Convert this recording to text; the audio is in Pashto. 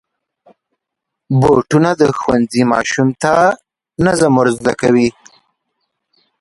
بوټونه د ښوونځي ماشوم ته نظم ور زده کوي.